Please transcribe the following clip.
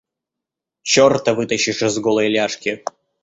Черта вытащишь из голой ляжки.